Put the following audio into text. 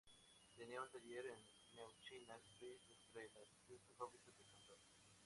Tenía un taller en "New China Street" entre las Trece Fábricas en Cantón.